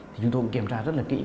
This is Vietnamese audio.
thì chúng tôi cũng kiểm tra rất là kỹ